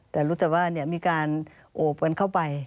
แต่รู้แต่ว่ามีการโอบกันเข้าไป